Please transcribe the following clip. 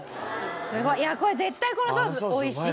すごい！これ絶対このソース美味しい！